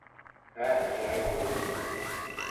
Мә, һиңә булһын!